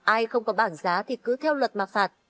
ai không có bảng giá thì cứ theo luật mà phạt